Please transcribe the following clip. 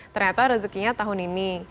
ternyata rezekinya tahun ini